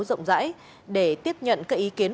rộng rãi để tiếp nhận các ý kiến